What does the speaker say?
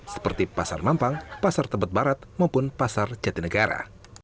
seperti pasar mampang pasar tebet barat maupun pasar jatinegara